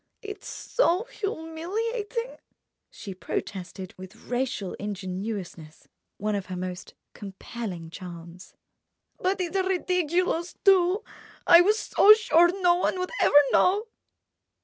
"It's so humiliating!" she protested with racial ingenuousness—one of her most compelling charms. "But it's ridiculous, too. I was so sure no one would ever know."